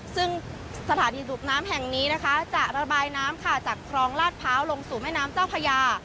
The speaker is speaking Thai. ซึ่งสถานีสูบน้ำแห่งนี้นะคะจะระบายน้ำค่ะจากครองลาดพร้าวลงสู่แม่น้ำเจ้าพญา